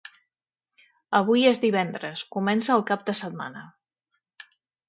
avui és divendres, comença el cap de setmana.